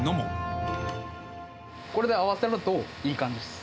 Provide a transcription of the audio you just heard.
これで合わせるといい感じっす。